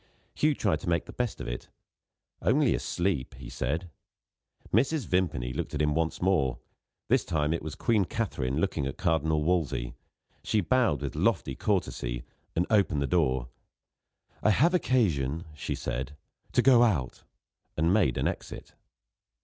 Hugh tried to make the best of it. "Only asleep," he said. Mrs. Vimpany looked at him once more. This time, it was Queen Katharine looking at Cardinal Wolsey. She bowed with lofty courtesy, and opened the door. "I have occasion," she said, "to go out" and made an exit.